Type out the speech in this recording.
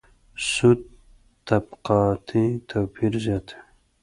سود طبقاتي توپیر زیاتوي.